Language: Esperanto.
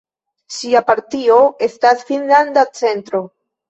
Ŝia partio estas Finnlanda Centro.